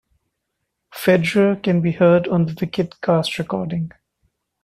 Federer can be heard on the "Wicked" cast recording.